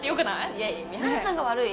いやいや三原さんが悪い。